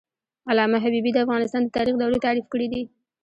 علامه حبيبي د افغانستان د تاریخ دورې تعریف کړې دي.